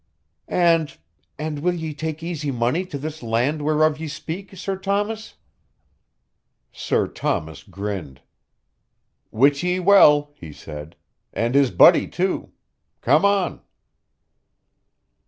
"And ... and will ye take Easy Money to this land whereof ye speak, Sir Thomas?" "Sir Thomas" grinned. "Wit ye well," he said, "and his buddy, too. Come on."